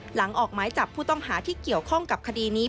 ออกหมายจับผู้ต้องหาที่เกี่ยวข้องกับคดีนี้